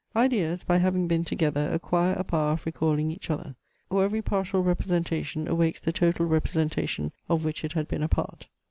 Ideas by having been together acquire a power of recalling each other; or every partial representation awakes the total representation of which it had been a part.